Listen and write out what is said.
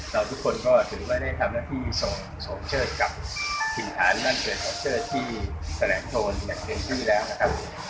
เราทุกคนก็ถือว่าได้ทำหน้าที่ส่งเชิดกับผิดฐานนั่นเกิดของเชิดที่แสดงโทนแบบเคยด้วยแล้วนะครับ